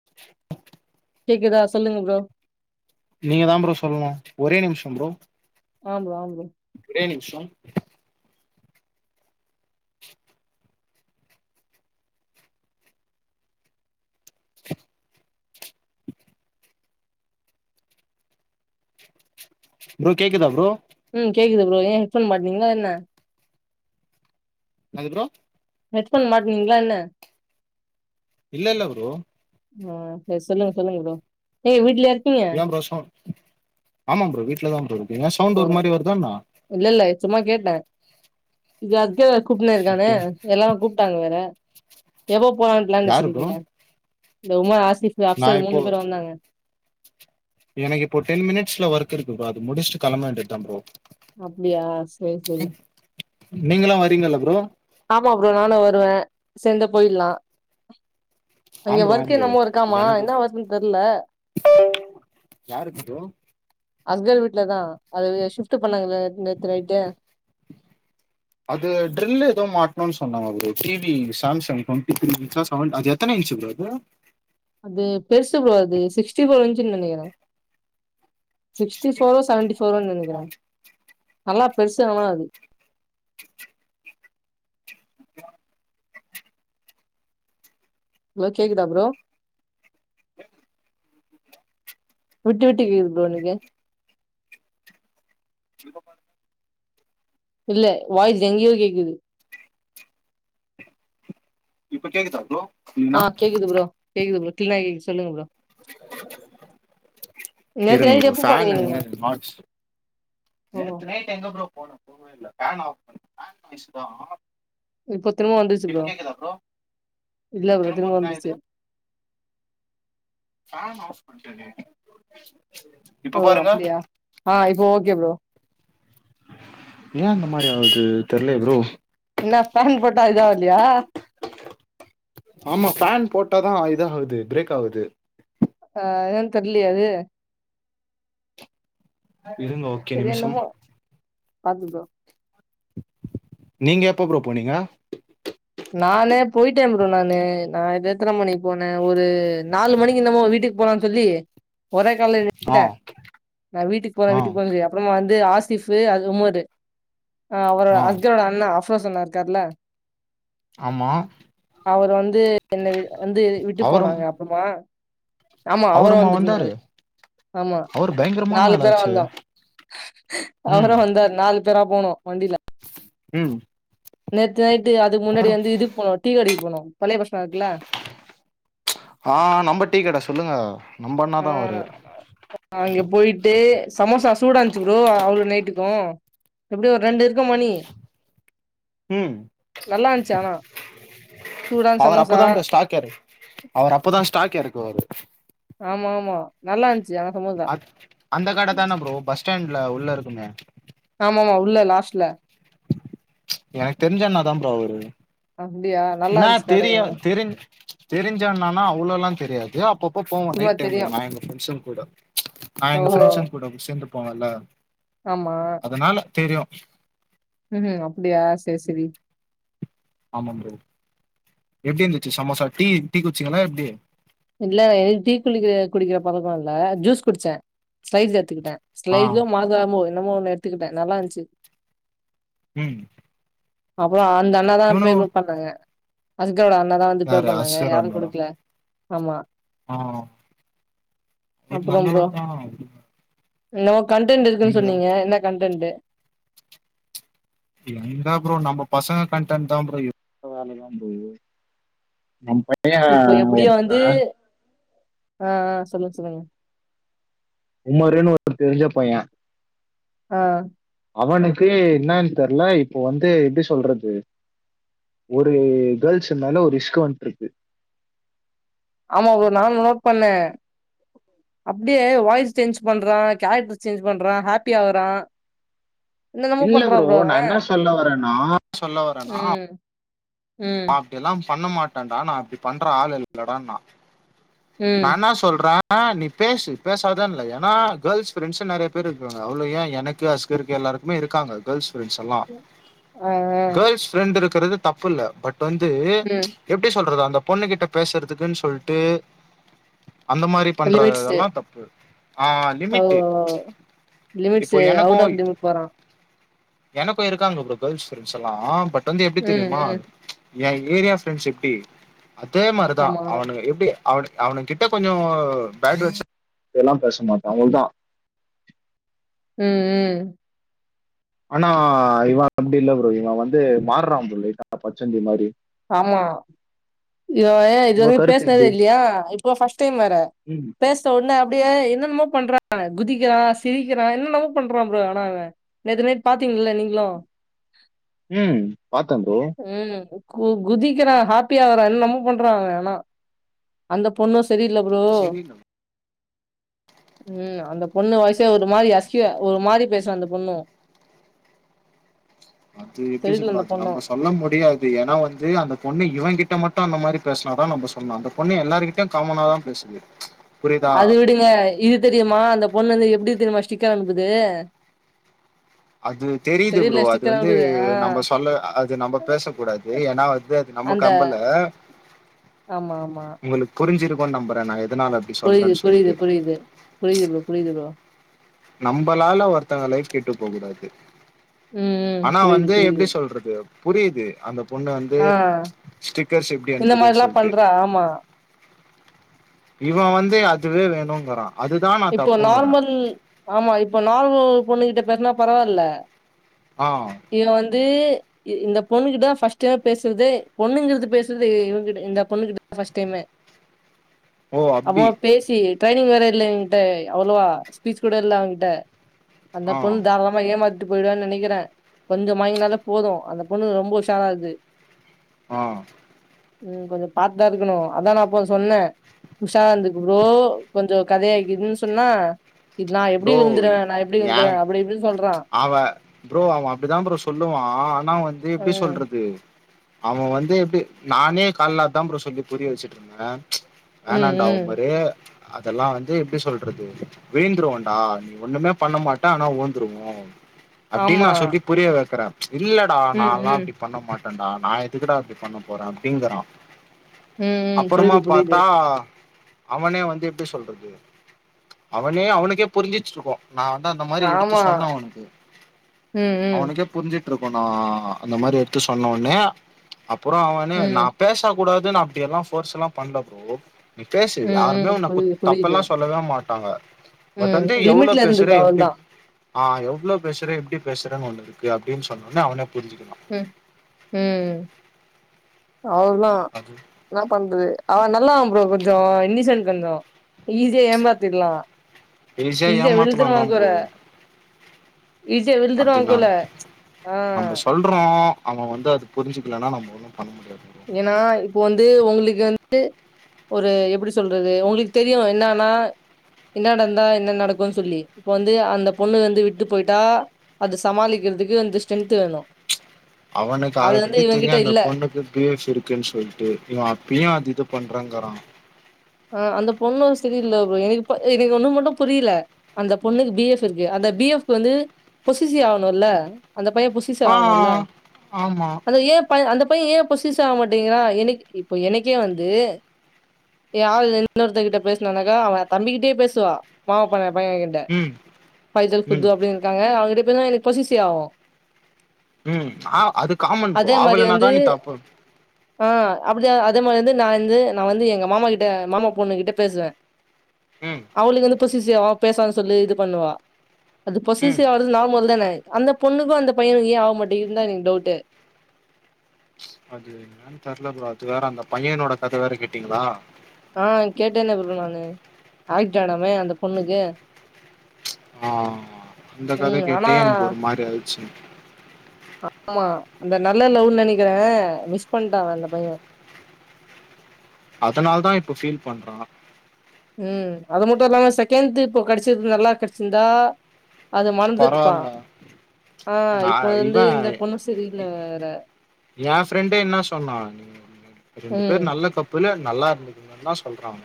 [inaudible] கேக்குதா சொல்லுங்க ப்ரோ நீங்க தா ப்ரோ சொல்னு ஒரே நிம்ஷம் ப்ரோ ஆம் ப்ரோ ஆம் ப்ரோ ஒரே நிம்ஷோ ப்ரோ கேக்குதா ப்ரோ ம் கேக்குது ப்ரோ ஏ ஹெட்ஃபோன் மாட்னிங்ளா என்ன என்னது ப்ரோ ஹெட்ஃபோன் மாட்னீங்ளா என்ன இல்லல்ல ப்ரோ ஆ செரி சொல்லுங்க சொல்லுங்க ப்ரோ ஏ வீட்லயா இருக்கீங்க ஏ ப்ரோ சொ ஆமாம் ப்ரோ வீட்லதா ப்ரொ இருக்கு ஏ சவுண்ட் ஒரு மாரி வருதா என்ன இல்லல்ல சும்மா கேட்டே இது அது கூப்னே இருக்கானே அப்டியா எல்லா கூப்ட்டாங்க வேற எப்ப போலானு பிளான் யாரு ப்ரோ வெச்சிருக்கீங்க இந்த உமா ஆசிஃப்பு நா அப்சல் இப்போ மூணு பேரு வந்தாங்க எனக்கு இப்போ டென் மினிட்ஸ்ல ஒர்க் இருக்கு ப்ரோ அது முடிச்சுட்டு கெளம்ப வேண்டிதாம் ப்ரோ அப்டியா சேர் செரி நீங்கெல்லா வரீங்கள ப்ரோ ஆமா ப்ரோ நானு வருவே சேந்த போயில்லா அங்க ஆம் ப்ரோ ஆம் வொர்க் என்னமோ இருக்காமா என்ன வொர்க்ன்னு தெர்ல யாருக் ப்ரோ அஸ்கல் வீட்ல தா அது ஷிப்ட்டு பண்ணாங்கள்ல நேத்து நைட்டு அது ட்ரில் எதோ மாட்ணுன் சொன்னாங்க T V Samsung twenty three இன்ச்சா செவன் அது எத்தன இன்ச் ப்ரோ அது அது பெருசு ப்ரோ அது சிக் ஸ்டி ஃபோர் இன்ச்சுனு நெனைக்கறே சிக்டி ஃபோர் செவன்டி ஃபோரோ நெனைக்கிறே நல்லா பெருசா ஆனா அது [inaudible] அலோ கேக்குதா ப்ரோ [inaudible] விட்டு விட்டு கேக்குது ப்ரோ எனக்கு இப்ப பார் இல்ல வாய்ஸ் எங்கியோ கேக்குது இப்ப கேக்குதா ப்ரோ ஆ கிளீனா கேக்குது ப்ரோ கேக்குது ப்ரோ க்ளீனா கேக்குத் சொல்லுங்க ப்ரோ நேத்து இருங்க நைட் ப்ரோ எப்ப போனீங்க ஃபேனு நீங்க மாற்ச்சு ஓ நேத்து நைட் எங்க ப்ரோ போனு போவே இல்ல ஃபேன ஆஃப் பண்ணு ஃபேன் [unintelligible] இப்போ திரும்ப வந்துச்சு இப்ப ப்ரோ கேக்குதா இல்ல ப்ரோ திரும்ப நான் வந்துச்சு இது ஃபேன் ஆஃப் பண்டனே ஓ அப்படியா ஆ இப்போ ஓகே ப்ரோ ஏ இந்த மாரி ஆவ்து தெர்லயே ப்ரோ இன்னா ஃபேன் போட்டா இதாவ்லியா ஆமா ஃபேன் போட்டாதா இதாவுது பிரேக் ஆவுது ஆ என்னன் தெர்லயே அது இருங்கோ செரி என்னமோ பாத்து ப்ரோ நீங்க எப்போ ப்ரோ போனீங்க நானே போய்ட்டே ப்ரோ நானு நா எத்தன மணிக்கு போனே ஒரு நாலு மணிக்கு என்னமோ வீட்டுக் போறேன் சொல்லி ஒரே கால்ல ஆ நின்னுட்டே நா வீட்டுக் போறே ஆ வீட்டுக் போறேன் சொல்லி அப் அப்றமா வந்து ஆசிஃபு அது உமரு அ அவரு ஆ ஹஸ்ஜரோட அண்ணா அஃப்ரோஸ் அண்ணா இருக்கார்ல ஆமா அவரு வந்து என்ன வி வந்து விட்டு அவரும் போனாங்க அப்பற்மா ஆமா அவரு அவருமா வந்தாரு வந்திருந்தாரு ஆமா அவர் பயங்கரமான நாலு பேரா ஆளாச்சு வந்தோ ம் அவரு வந்தாரு நாலு பேரா போனோ வண்டில் ம் நேத்து நைட்டு அதுக் முன்னாடி அவரு வந்து இதுக் போனு டீ கடைக்கு போனு பழய பஸ் ஸ்டாண்ட் இக்குல ஆ நம்ப டீ கட சொல்லுங்கோ நம்ப ஆ அண்ணாதா அவுரு அங்க போயிட்டு சமோசா சூடா இந்ச்சு ப்ரோ அவ்ளோ நைட்டுக்கு எப்டியு ஒரு ரெண்டிருக்கு மணி ம் நல்லா இந்ச்சு ஆனா சூடான அவர் சமோசா அப்பதா ப்ரோ ஸ்டாக் என அவர் அப்பதா ஸ்டாக் எறக்குவாரு ஆமா ஆமா நல்லா இந்ச்சு ஆக மொ அத் அந்த கட தான ப்ரோ பஸ் ஸ்டாண்ட்ல உள்ள இருக்குமோ ஆமா ஆமா உள்ள லாஸ்ட்ல எனக் தெரிஞ்ச அண்ணாதா ப்ரோ அவுரு அப்டியா? நல்லா இன்னா இருந்துச்சு தெரியு கடையும். தெரிஞ் தெரிஞ்ச அண்ணாணா அவ்ளோலா தெரியாது அப்பப்போ போவோ சும்மா நைட் டைம்ல தெரியும். நா எங்க ஃப்ரெண்ஸுங் கூடோ நா எங் ஓஹோ! ஃப்ரெண்ட்ஸுங் கூட சேந்துப்போவல்ல ஆமா அதனால தெரியு ம் அப்டியா செரி செரி ஆமா ப்ரோ எப்டி இந்துச்சு சமோசா டீ டீ குச்சீங்களா எப்டி இல்ல எனக்கு டீ குளிக்கிற குடிக்கிற பழக்கோ இல்ல ஜுஸ் குடிச்சே ஸ்பைஸ் எடுத்துகிட்டே ஆ சிலைஸ்ல மாஸாமோ என்னமோ ஒன்னு எடுத்துக்கிட்டே நல்லா இருந்துச்சி ம் அப்பறோ அந்த அண்ணாதா பே இவனுங்க கூட பண்ணாங்க அதுக்குகூட அண்ணதா வந்து பே யாரு பண்ணாங்க அஸ்கர் யாரு அண்ணாடா குடுக்கல ஆமா ஆ அவரு அப்பறம் ப்ரோ நல்லவர் தா என்னமோ கண்டென்ட் இருக்குன்னு நீங்க தா சொன்னீங்க என்ன கண்டென்ட்டு எங்க ப்ரோம் நம்ம பசங்க கண்டென்ட் தா ப்ரோ எவ்ளோ வேலைதா ப்ரோ இருக்குது நம்ம பையே இப்போ எப்டியோ ஒருத்தே வந்து ஆ ஆ சொல்லுங்க சொல்லுங்க குமாருன்னு ஒரு தெரிஞ்ச பையே ஆ அவனுக்கு என்னன்னு தெரில இப்போ வந்து எப்டி சொல்றது ஒரு கேர்ள்ஸ் இருந்தாலு ஒரு இஷ்குவன்ட்டு இருக்கு ஆமா ப்ரோ நானு நோட் பண்ணே அப்டியே வாய்ஸ் சேஞ்ச் பண்றா கேரக்டர் சேஞ்ச் பண்றா ஹாப்பி ஆகுறா இல்ல ப்ரோ நா என்ன சொல்ல வர்றேன்னா சொல்ல வர்றேன்னா ம் ம் அப்டி எல்லா பண்ண மாட்டேன்டா நா அப்டி பண்ற ஆளு இல்லடா நா ம் நா என்ன சொன் சொல்றே நீ பேசு பேசாதன்னு இல்ல கேர்ள்ஸ் பிரெண்ட்ஸ் நெறைய பேர் இருக்காங்க அவ்வளவு ஏ எனக்கு அஸ் கிருக்கு எல்லாருக்குமே இருக்காங்க கேர்ள்ஸ் பிரண்ட்ஸ் எல்லா ஆ ஆ கேர்ள்ஸ் ஃப்ரெண்ட் இருக்குறது தப்புல்ல பட் வந்து ம் எப்டி சொல்றது அந்த பொண்ணு கிட்ட பேசுறதுக்குன்னு சொல்ட்டு அந்த மாரி பண்ற லிமிட்ஸு இதெல்லா தப்பு ஆ ஓ லிமிட்டு இப்போ லிமிட்ஸு எனக்கு அவுட் ஆஃப் லிமிட் போறா எனக்கு இருக்காங்க ப்ரோ கேர்ள்ஸ் ஃரெண்ட்ஸ் எல்லா பட் வந்து எப்டி ம் தெரியுமா ம் ஏ ஏரியா ஃப்ரெண்ட்ஸ் எப்டி அதே மாரிதா ஆமா அவனுங்க எப்டி அவ அவனுங்க கிட்ட கொஞ்சோ பேட் வேஸ்ட் எல்லா பேச மாட்டோ அவ்ளதா ம் ம் ஆனா இவே அப்டி இல்ல ப்ரோ இவே வந்து மாறுறா ப்ரோ லைட்டா பச்சோந்தி மாரி ஆமா அய்யோ ஏ இது உங்க வரைக்கு கருத்து பேசுனதே எப்டி இல்லையா இப்போ ஃபர்ஸ்ட் டைம் வர்றே ம் பேச ன ஒன்ன அப்டியே என்னன்னமோ பண்றா அவே குதிக்கிறா சிரிக்கிறா என்னென்னமோ பண்றா ப்ரோ ஆனா அவே நேத்து நைட் பாத்தீங்கல்ல நீங்களு ம் பாத்தே ப்ரோ ம் கு குதிக்கிறா ஹாப்பி ஆகுறா என்னென்னமோ பண்றா அவே ஆனா அந்த பொண்ணு சரியில்ல ப்ரோ அ ம் அந்த பொண்ணு வாய்ச்சே ஒரு மாரி ஹஸ்கி ஒரு மாரி பேசு அந்த பொண்ணு அது எப்டி சி செரில்ல ப்ரோ அந்த அது பொண்ணு நம்ம சொல்ல முடியாது ஏன்னா வந்து அந்த பொண்ணு இவே கிட்ட மட்டு அந்த மாரி பேசுனா தா நம்ப சொல்லணு அந்த பொண்ணு எல்லாருகிட்டயு காமனாதா பேசுது புரியுதா அது விடுங்க இது தெரியுமா அந்த பொண்ணு வந்து எப்டி தெரியுமா ஸ்டிக்கர் அனுப்புது அது தெரியுது ப்ரோ செரில்ல அது ஸ்டிக்கர் வந்து அனுப்புது ஆ நம்ம சொல்ல அது நம்ம பேசக் கூடாது ஏன்னா வந்து அது நமக் அந்த கம்பல ஆமா ஆமா உங்களுக்கு புரிஞ்சிருக்கு நம்புறே நா எதுனால புரியுது புரியுது புரியுது புரியுது ப்ரோ புரியுது ப்ரோ நம்மளால ஒருத்தங்க லைஃப் கேட்டு போ கூடாது ம் ம் ஆனா புரியுது வந்து எப்புடி புரியுது சொல்றது புரியுது அந்த பொண்ணு வந்து ஆ ஸ்டிக்கர்ஸ் எப்புடி இந்த அனுப்புதுன்னு மாரிலா சொல்ட்டு பண்றா ஆமா இவன் வந்து அதுவே வேணுங்குறான் இப்போ நார்மல் ஆமா இப்போ நார்மல் பொண்ணு கிட்ட பேசுனா பரவாயில்ல ஆஹ் இவன் வந்து இ இந்த பொண்ணுகிட்ட தா ஃர்ஸ்ட் டைம் பேசுறது பொண்ணுங்கிறது பேசுறது இங்ககிட்ட இந்த பொண்ணு கிட்டதா ஃபர்ஸ்ட் டைம்மு ஓ அப்படி அப்பே பேசி ட்ரைனிங் வேற இல்லைங் டே அவ்ளவா ஸ்பீச் கூட இல்ல அவகிட்ட அந்த ஆ பொண்ணு தாரா ளமா ஏமாத்திட்டு போயிடுவானு நெனைக்கிறே கொஞ்ச மயங்கினாலே போது அந்த பொண்ணு ரொம்ப உஷாரா இருக்கு ஆ ம் கொஞ்ச பாத்து தா இருக்கணு அதா நா அப்போ சொன்னே உஷார வந்துருக்கு கொஞ்ச கதையாக்குதுன்னு சொன்னே இதுல நா எப்புடி ப்ரோ விழுந்துடுவே நா எப்புடி விழுந்துடுவே ஏன் அப்புடி இப்படினு சொல்றா அவ ப்ரோ அவன் அப்புடிதா ப்ரோ சொல்லுவா ஆனா வந்து எப்புடி ம் சொல்றது அவன் வந்து எப்புடி நானே காலையில அதா ப்ரோ சொல்லி புரிய வச்சுட்டு இருந்தே ம் வேனாண்டா ம் ப்ரோ அத எல்லா வந்து எப்புடி சொல்றது வீழ்ந்துரு வா ஆ நீ ஒண்ணுமே பண்ண மாட்ட ஆனா விழ்ந்துருவோ அப்புடின்னு ஆமா நா சொல்லி புரிய வைக்கறே இல்லடா நா ம் லா ம் அப்புடி பண்ண மாட்டேடா நா எதுக்குட அப்புடி பண்ண போறே அப்புடிங்குறா ம் ம் அப்புறமா புரியுது புரியுது பாத்தா அவனே வந்து எப்புடி சொல்றது அவனே அவனுக்கே புரிஞ்சிச்சிருக்கே நா வந்து அந்த மாறி எடுத்து ஆமா சொன்னே அவனுக்கு ம் ம் அவனுக்கே புரிஞ்சிட்டு இருக்கும் நா அந்த மாறி எடுத்து சொன்ன உடனே அப்புறே அவனே நா ம் பேச கூடாதுன்னு அப்புடியெல்லா ஃபர்ஸ்சு எல்லா பண்ல ப்ரோ நீ பேசு ம் யாருமே ம் உன்னை குத் புரியுது தப்பு புரியுது எல்லா சொல்லவே மாட்டாங்க பட் ம் வந்து எவ்வளோ லிமிட்ல பேசுற இருந்துக்கோ எப்டி அவள்தா ஆஹா எவ்வளோ பேசுறே எப்புடி பேசுறேன்னு ஒன்னு இருக்கு அப்புடினு சொன்னேனோ அவனே புரிஞ்சுக்குறா ம் ம் அவ்ளோ அது என்ன பண்றது அவன் நல்லா ப்ரோ கொஞ்சோ இன்னிஷன்ட் கொஞ்சோ ஈஸியா ஏம்மாத்திர்லா ஈஸியா ஏமாத்தலா தா ப்ரோ விழுத்துவக்குடா அப்புடின்னா கூட ஆ நம்ம சொல் லுறே அவ வந்து அது புரிஞ்சிக்கலனா நம்ப ஓன்னு பண்ண முடியாது ப்ரோ இல்லணா இப்போ வந்து உங்களுக்கு வந்து ஒரு எப்புடி சொல்றது உங்களுக்கு தெரியு என்னன்னா என்ன நடந்தா என்ன நடக்கும் சொல்லி இப்போ வந்து அந்த பொண்ணு வந்து விட்டு போயிட்டா அத சமாளிக்கிறதுக்கு வந்து ஸ்ட்ரென்த் வேணு அவனுக்கு அது வந்து ஆல்ரெடி தெரியு இவங்கிட்ட அந்த இல்ல பொண்ணுக்கு பி எஃப் இருக்குன்னு சொல்ட்டு இவே அப்பயு அது இது பண்றங்கறா ஆ அந்த பொண்ணு செரிய இல்ல ப்ரோ எனக்கு இப்ப எனக்கு ஒன்னு மட்டு புரில அந்த பொண்ணுக்கு பி எஃப் இருக்கு அந்த பி எஃப்கு வந்து பொஸஸிவ் ஆணுல அந்த பைய பொஸ ஸிவ் ஆவணுல ஆ ஆமா அந்த ஏ அந்தே பைய ஏ பொஸஸிவ் ஆகமாட்டீங்கிரா எனக்கு இப்போ எனக்கே வந்து ஏ ஆள் இன்னொருத்த கிட்ட பேசனுனாக்கா அவ தம்பிக்கிட்டயே பேசுவா மாமா பண்ண பையகிட்ட ம் ஃபைசல் ம் குத்து அப்டின் இருக்காங்க அவுங்ககிட்ட பேசுனா எனக்கு பொஸஸிவ் ஆவு ம் ஆ அது காமன் ப்ரோ அதே மாரி ஆவலனாதா வந்து நீ தப்பு ஆ அப்டிதா அதே மாரி வந்து நா வந்து நா வந்து எங்கே மாமாகிட் மாமா பொண்ணுகிட்டே பேசுவே ம் அவளுக்கு வந்து பொசசிவ் ஆவா பேசாதா சொல்லி இது பண்ணுவா அது ம் பொசசிவ் ஆகறது நார்மல்தான அந்த பொண்ணுக்கு அந்த பையனுக்கு ஏ ஆவ மாட்டிகின்தா எனக்கு டவுட்டு அது என்னான் தெர்ல ப்ரோ அது வேற அந்த பையனோட கத வேற கேட்டீங்ளா ஆ கேட்டேனே ப்ரோ நானு ஆக்சிடென்டாமே அந்த பொண்ணுக்கு ஆமா அந்த கத ம். கேட்டே ஆனா எனக்கு ஒரு மாரி ஆய்ர்ச்சி ஆமா அந்த நல்ல லவ்ன் நெனைக்குறே மிஸ் பண்ட்டா அந்த பைய அதனாலதா இப்பே ஃபீல் பண்றா ம் அதுமட்டு இல்லாம செகேண்த் இப்போ கேடச்சிருக் நல்லா கேடச்சிருந்தா அது மறந்துருப்பா பரவால்ல ஆ நா இப்போ இவ வந்து இந்த பொண்ணு செரியில்ல வேற எ ஃப்ரெண்டே என்னா சொன்னா ரெண்டு ம். பேர் நல்ல கப் புல்லே நல்லா இருந்துக்கங்கன்தா சொல்றா அவ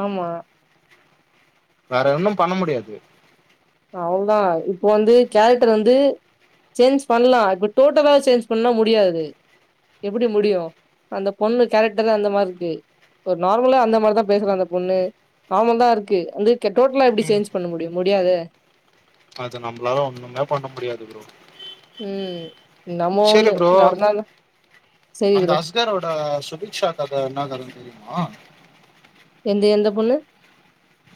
ஆமா வேற ஒன்னு பண்ண முடியாது அவ்ளதா இப்போ வந்து கேரக்டர் வந்து சேஞ்ச் பண்லா இப்போ டோட்டலா சேஞ்ச் பண்ணா முடியாது எப்டி முடியு அந்த பொண்ணு கேரக்டர்லா அந்த மாரி இருக்கு ஒரு நார்மலா அந்த மாரிதா பேசுறா அந்த பொண்ணு நார்மல்தா இருக்கு வந்து டோட்டலா எப்டி ம் சேஞ் பண்ண முடியு முடியாதே அது நம்பளாலே ஒன்னுமே பண்ண முடியாது ப்ரோ ம் என்னமோ சரி ஒன்னு ப்ரோ நடந்தாலு சேரி ப்ரோ க்கேர் ஓடே சுபிக்ஷா கத என்ன கதன் தெரியுமா எந்த எந்த பொண்ணு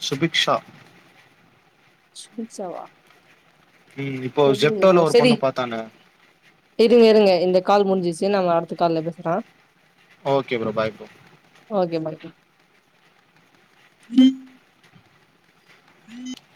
சுபிக்க்ஷா சபிக்க்ஷவா ம் இப்போ ஜெப்டோல ஒரு செரி பொண்ண பாத்தானே இருங்க இருங்க இந்த கால் முடிஞ்சிச்சு நம்ம அடுத்த கால்ல பேசுற okay bro bye bro okay bye bro உம்